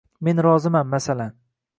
Men roziman, masalan